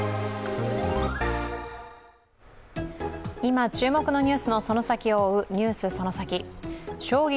今、注目のニュースのその先を追う、「ＮＥＷＳそのサキ！」。